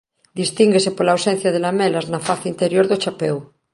Distínguense pola ausencia de lamelas na face interior do chapeu.